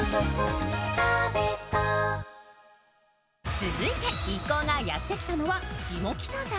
続いて一行がやってきたのは下北沢。